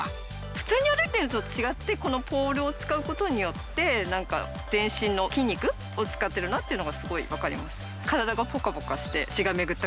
普通に歩いているのと違って、このポールを使うことによって、なんか全身の筋肉を使ってるなって、すごい分かりました。